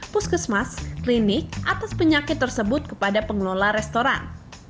puskesmas klinik atas penyakit tersebut kepada pengelola restoran